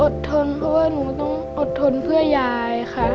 ทนเพราะว่าหนูต้องอดทนเพื่อยายค่ะ